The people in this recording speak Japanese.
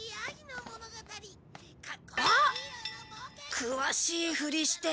詳しいふりして。